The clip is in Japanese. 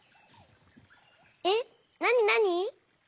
えっなになに？